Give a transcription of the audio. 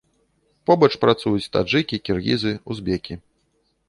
Побач працуюць таджыкі, кіргізы, узбекі.